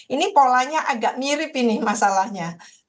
ini polanya agak mirip ini masalahnya